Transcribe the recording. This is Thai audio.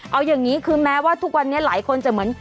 เอาอย่างนี้คือแม้ว่าทุกวันนี้หลายคนจะเหมือน